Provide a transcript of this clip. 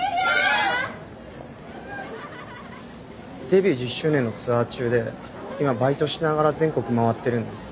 デビュー１０周年のツアー中で今バイトしながら全国回ってるんです。